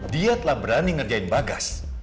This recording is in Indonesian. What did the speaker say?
dia telah berani ngerjain bagas